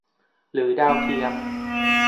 หรือดาวเทียม